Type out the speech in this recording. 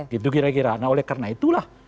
gitu kira kira nah oleh karena itulah